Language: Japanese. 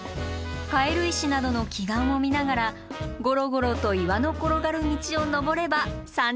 カエル石などの奇岩を見ながらゴロゴロと岩の転がる道を登れば山頂です。